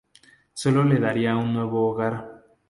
Solo le daría un nuevo hogar.